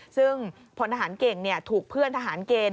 ซึ่งพลทหารเก่งถูกเพื่อนทหารเกณฑ์